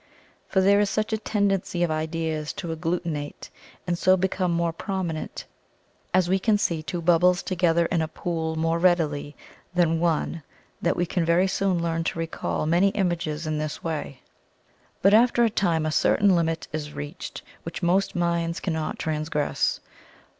For there is such a tendency of ideas to agglutinate, and so become more prominent, as we can see two bubbles together in a pool more readily than one that we can very soon learn to recall many images in this way. But after a time a certain limit is reached which most minds cannot transgress.